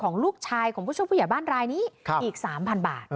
ของลูกชายของผู้ช่วยผู้ใหญ่บ้านรายนี้อีก๓๐๐บาท